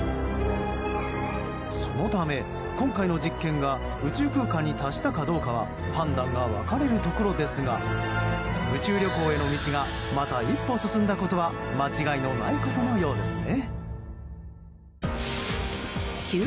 そのため、今回の実験が宇宙空間に達したかどうかは判断が分かれるところですが宇宙旅行への道がまた一歩進んだことは間違いのないことのようですね。